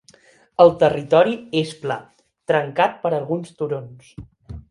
El territori és pla, trencat per alguns turons.